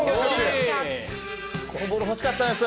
このボール欲しかったんです